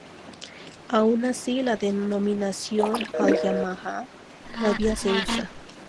Aun así, la denominación "Al-Yamamah" todavía se usa.